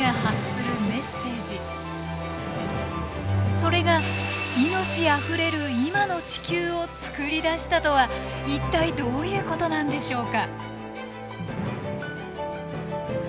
それが命あふれる今の地球を作り出したとは一体どういうことなんでしょうか？